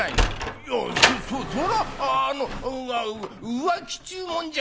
「いやそそらあの浮気っちゅうもんじゃねえんだ。